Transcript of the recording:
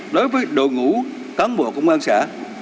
đối với đội ngũ cán bộ công an xã